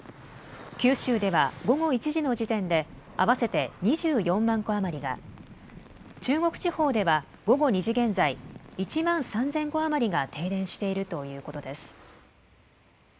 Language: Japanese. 九州では午後１時の時点で、合わせて２４万戸余りが、中国地方では午後２時現在、１万３０００戸余りが停電しているということです。